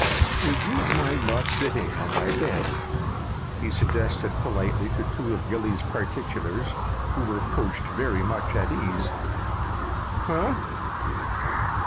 "Would you mind not sitting on my bed?" he suggested politely to two of Gilly's particulars who were perched very much at ease. "Huh?"